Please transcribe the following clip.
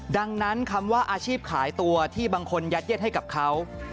ดังนั้นคำว่าอาชีพขายตัวที่บางคนยัดเย็ดให้กับเขา